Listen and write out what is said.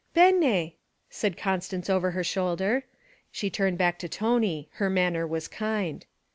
_' 'Bene!' said Constance over her shoulder. She turned back to Tony; her manner was kind.